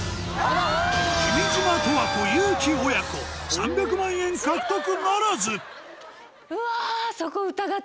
君島十和子・憂樹親子３００万円獲得ならずうわ。